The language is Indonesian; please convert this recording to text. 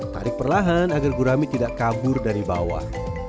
tarik perlahan agar gurami tidak kabur dari bawah